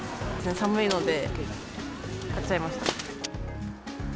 寒いので買っちゃいました。